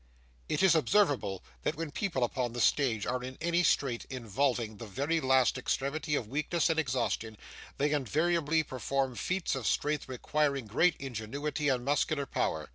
It is observable that when people upon the stage are in any strait involving the very last extremity of weakness and exhaustion, they invariably perform feats of strength requiring great ingenuity and muscular power.